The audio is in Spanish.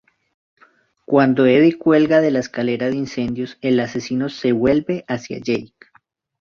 Cuando Eddie cuelga de la escalera de incendios, el asesino se vuelve hacia Jake.